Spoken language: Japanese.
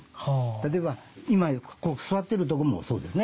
例えば今座っているとこもそうですね。